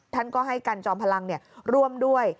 ท่านก็ให้กันจอมพลังร่วมด้วย